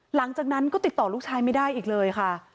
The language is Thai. หลังจากนั้นก็ติดต่อลูกชายไม่ได้อีกเลยค่ะ